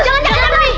jangan lah mami